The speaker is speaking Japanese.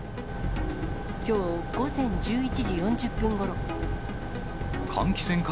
きょう午前１１時４０分ごろ。